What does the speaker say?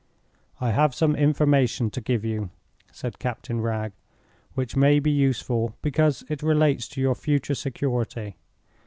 "I have some information to give you," said Captain Wragge, "which may be useful, because it relates to your future security.